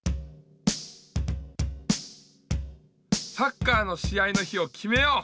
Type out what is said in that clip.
サッカーのしあいの日をきめよう！